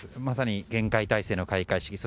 まさに厳戒態勢の開会式。